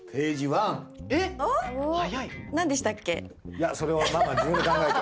いやそれはママ自分で考えて。